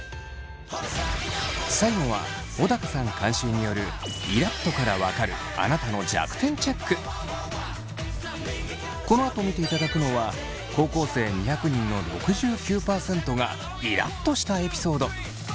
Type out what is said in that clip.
最後は小高さん監修によるこのあと見ていただくのは高校生２００人の６９％がイラっとしたエピソード。